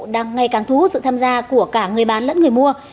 đang ngày càng thu hút sự tham gia của cả người bán lẫn người mua